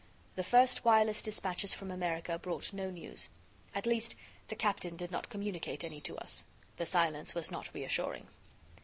The first wireless dispatches from America brought no news; at least, the captain did not communicate any to us. The silence was not reassuring.